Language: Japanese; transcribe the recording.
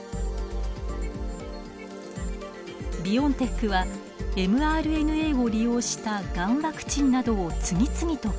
ビオンテックはｍＲＮＡを利用したがんワクチンなどを次々と開発。